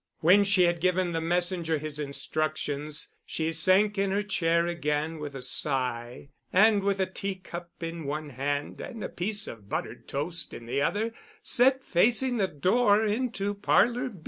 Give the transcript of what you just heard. When she had given the messenger his instructions, she sank in her chair again with a sigh, and, with a tea cup in one hand and a piece of buttered toast in the other, sat facing the door into Parlor B.